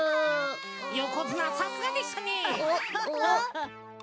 よこづなさすがでしたね。